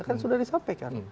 kan sudah disampaikan